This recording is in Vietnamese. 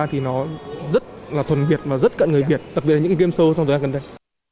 thì nó rất là thuần việt và rất cận người việt đặc biệt là những game show trong thời gian gần đây